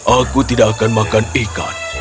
aku tidak akan makan ikan